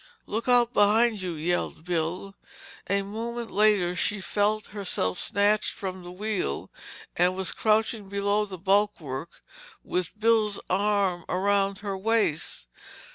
"Look out—behind you!" yelled Bill. A moment later she felt herself snatched from the wheel and was crouching below the bulwark with Bill's arm around her waist.